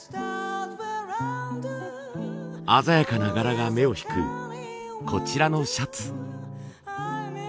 鮮やかな柄が目を引くこちらのシャツ。